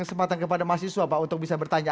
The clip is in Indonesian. kesempatan kepada mahasiswa pak untuk bisa bertanya